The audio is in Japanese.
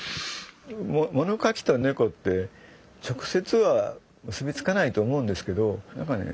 もの書きと猫って直接は結び付かないと思うんですけど何かね